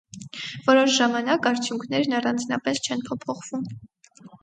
Որոշ ժամանակ արդյունքներն առանձնապես չեն փոփոխվում։